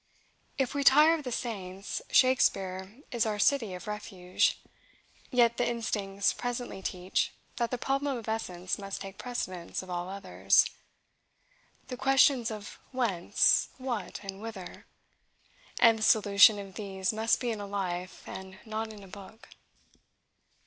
If we tire of the saints, Shakespeare is our city of refuge. Yet the instincts presently teach, that the problem of essence must take precedence of all others, the questions of Whence? What? and Whither? and the solution of these must be in a life, and not in a book.